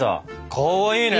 かわいいね。